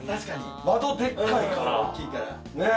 窓でっかいから。